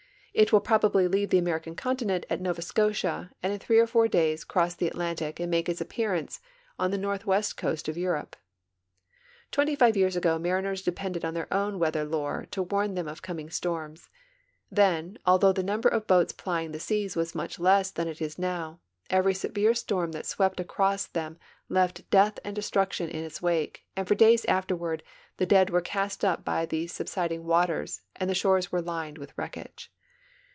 It will probably leave the American continent at Nova Scotia and in three or four days cross the Atlantic and make its appearance on the northwest coast of Europe. Twenty five years ago mariners depended on their own weather lorcto warn them of coming storms; then, although the num ber of boats plying the seas was much less than it is now, ever}'' severe storm that swept across them left death and destruc tion in its wake, and for days afterward tlie dead were cast up by the subsiding waters and the shores were lined with wreckage.